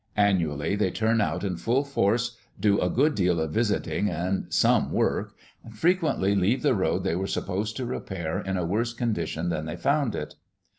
Annually they turn out in full force, do a good deal of visiting and some work, and frequently leave the road they were supposed to repair in a worse condition than they found it.